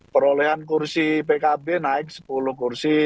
perolehan kursi pkb naik sepuluh kursi